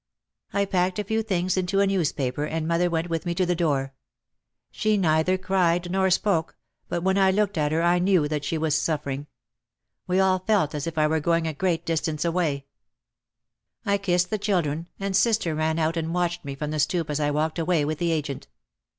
I packed a few things into a newspaper and mother went with me to the door. She neither cried nor spoke but when I looked at her I knew what she was suffering. We all felt as if I were going a great distance away. I 172 OUT OF THE SHADOW kissed the children, and sister ran out and watched me from the stoop as I walked away with the agent.